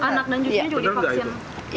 anak dan cucunya juga di vaksin